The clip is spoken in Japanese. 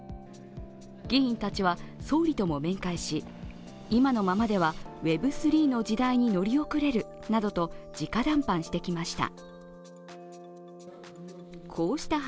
議員たちは総理とも面会し、今のままではＷｅｂ３．０の時代に乗り遅れるなどと直談判してきました。